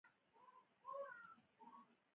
احمد خپل نېږدې ملګري په ډېرو کارونو کې ازمېیلي دي.